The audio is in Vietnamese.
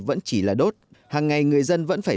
vẫn chỉ là đốt hàng ngày người dân vẫn phải